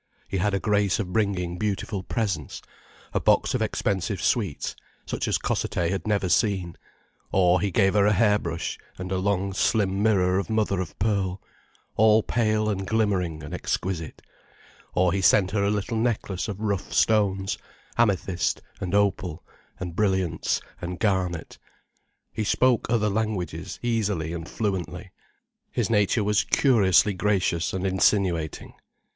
He had a grace of bringing beautiful presents: a box of expensive sweets, such as Cossethay had never seen; or he gave her a hair brush and a long slim mirror of mother of pearl, all pale and glimmering and exquisite; or he sent her a little necklace of rough stones, amethyst and opal and brilliants and garnet. He spoke other languages easily and fluently, his nature was curiously gracious and insinuating.